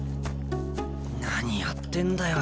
何やってんだよ